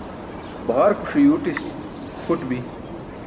Baġarkuṣe yuuṭis kʰuṭ bi.